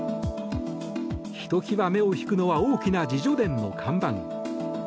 ひときわ目を引くのは大きな自叙伝の看板。